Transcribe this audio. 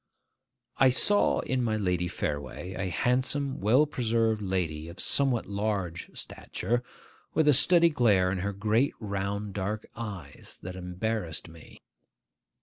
I saw in my Lady Fareway a handsome, well preserved lady of somewhat large stature, with a steady glare in her great round dark eyes that embarrassed me.